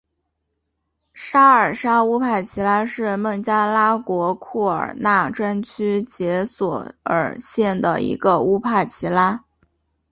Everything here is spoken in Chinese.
沙尔沙乌帕齐拉是孟加拉国库尔纳专区杰索尔县的一个乌帕齐拉。